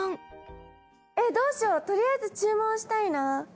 えっどうしようとりあえず注文したいな。